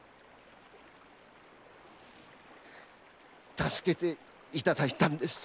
助けていただいたんです！